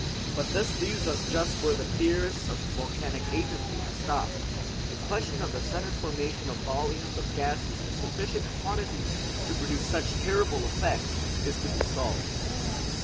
But this leaves us just where the theorists of volcanic agency have stopped. The question of the sudden formation of volumes of gases in sufficient quantities to produce such terrible effects is to be solved.